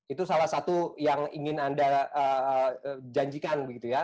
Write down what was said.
itu salah satu yang ingin anda janjikan begitu ya